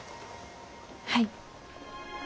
はい。